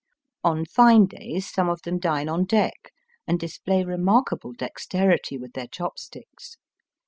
On fine days some of them dine on deck and display remarkable dexterity with their chop sticks.